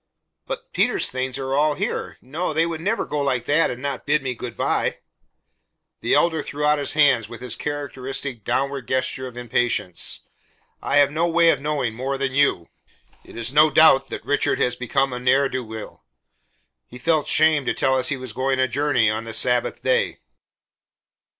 "But Peter's things are all here. No, they would never go like that and not bid me good by." The Elder threw out his hands with his characteristic downward gesture of impatience. "I have no way of knowing, more than you. It is no doubt that Richard has become a ne'er do weel. He felt shame to tell us he was going a journey on the Sabbath day."